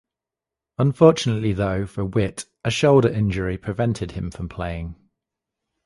Unfortunately though for Witt, a shoulder injury prevented him from playing.